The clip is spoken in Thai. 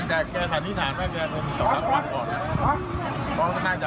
น่าจะไปทำอะไรเลยครับ